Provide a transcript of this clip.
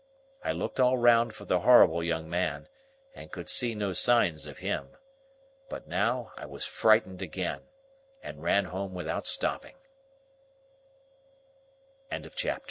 I looked all round for the horrible young man, and could see no signs of him. But now I was frightened again, and ran home without